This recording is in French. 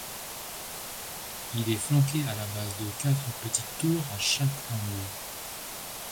Il est flanqué à la base de quatre petites tours à chaque angle.